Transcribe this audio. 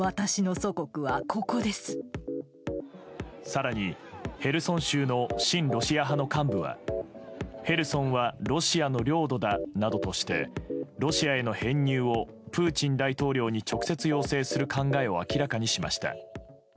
更に、ヘルソン州の親ロシア派の幹部はヘルソンはロシアの領土だなどとしてロシアへの編入をプーチン大統領に直接要請する考えを明らかにしました。